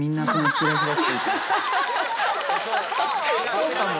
そうかも！